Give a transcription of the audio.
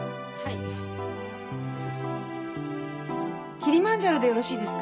キリマンジャロでよろしいですか？